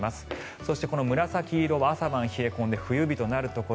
そして、この紫色は朝晩冷え込んで冬日となるところ。